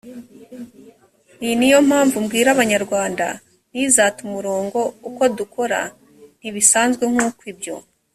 iyi ni yo mpamvu mbwira abanyarwanda ntizate umurongo uko dukora ntibisanzwe nk uko ibyo